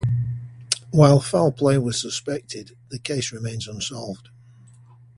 While foul play was suspected, the case remains unsolved.